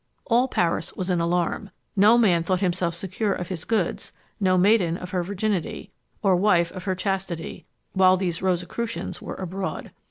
All Paris was in alarm. No man thought himself secure of his goods, no maiden of her virginity, or wife of her chastity, while these Rosicrucians were abroad.